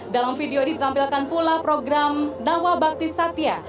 dalam video ini ditampilkan pula program nawa bhakti satya